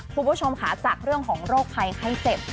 คุณผู้ชมค่ะจากเรื่องของโรคภัยไข้เจ็บ